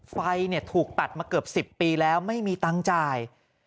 ไฟถูกตัดมาเกือบ๑๐ปีแล้วไม่มีตังค์จ่าย